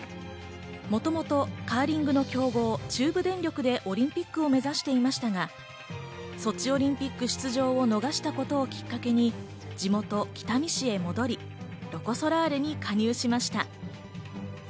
もともとカーリングの強豪・中部電力でオリンピックを目指していましたがソチオリンピック出場を逃したことをきっかけに地元・北見市へ戻り、ロコ・ソラーレに加入しました。